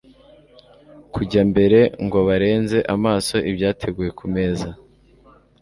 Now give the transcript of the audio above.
kujya mbere ngo barenze amaso ibyateguwe ku meza?